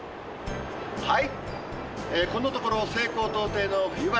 はい。